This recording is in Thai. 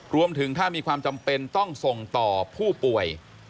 รวมถึงถ้ามีความจำเป็นต้องส่งต่อผู้ป่วย